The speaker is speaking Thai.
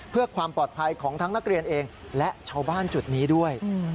เพื่อความปลอดภัยของทั้งนักเรียนเองและชาวบ้านจุดนี้ด้วย